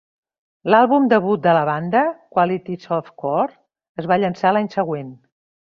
L'àlbum debut de la banda, "Quality Soft Core", es va llançar l'any següent.